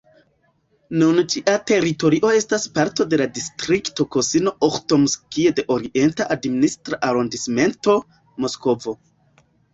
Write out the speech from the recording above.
Nun ĝia teritorio estas parto de la distrikto Kosino-Uĥtomskij de Orienta Administra Arondismento, Moskvo.